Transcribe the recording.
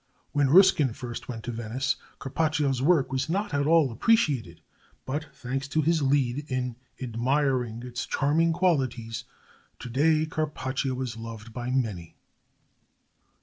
When Ruskin first went to Venice, Carpaccio's work was not at all appreciated; but, thanks to his lead in admiring its charming qualities, today Carpaccio is loved by many.